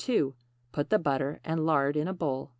Put the butter and lard in a bowl.